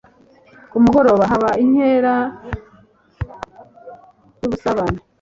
ku mugoroba haba inkera y’ubusabane